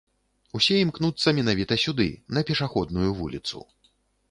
Усе імкнуцца менавіта сюды, на пешаходную вуліцу.